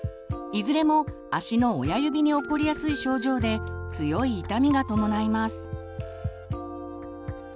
いずれも足の親指に起こりやすい症状で強い痛みが伴います。